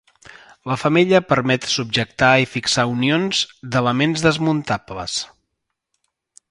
La femella permet subjectar i fixar unions d'elements desmuntables.